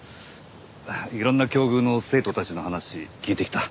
いろんな境遇の生徒たちの話聞いてきた。